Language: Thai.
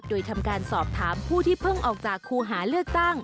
โดยทำการสอบถามผู้ที่เพิ่งออกจากครูหาเลือกตั้ง